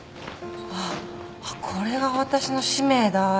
ああこれが私の使命だって。